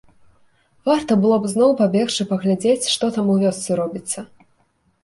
Варта было б зноў пабегчы паглядзець, што там у вёсцы робіцца.